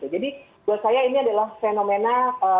jadi buat saya ini adalah fenomena